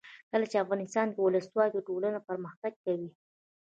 کله چې افغانستان کې ولسواکي وي ټولنه پرمختګ کوي.